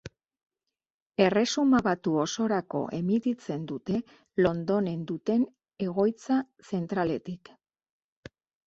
Erresuma Batu osorako emititzen dute Londonen duten egoitza zentraletik.